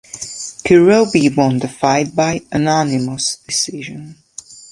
Kurobe won the fight by unanimous decision.